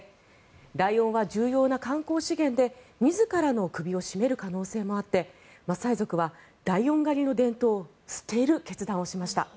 ライオンは重要な観光資源で自らの首を絞める可能性もあってマサイ族はライオン狩りの伝統を捨てる決断をしました。